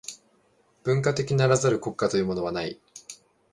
文化的ならざる国家というものはない。